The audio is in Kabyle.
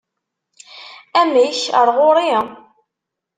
Amek, ar ɣuri?